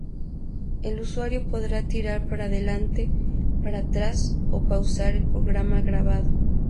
El usuario podrá tirar para adelante, para atrás o pausar el programa grabado.